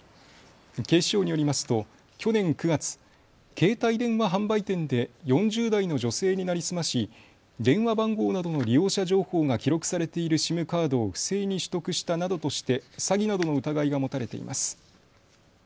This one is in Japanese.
警視庁によりますと去年９月、携帯電話販売店で４０代の女性に成り済まし電話番号などの利用者情報が記録されているＳＩＭカードを不正に取得したなどとして詐欺などの疑いが持たれています。